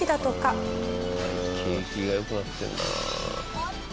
景気が良くなってるんだな。